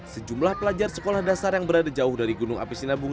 sejumlah pelajar sekolah dasar yang berada jauh dari gunung api sinabung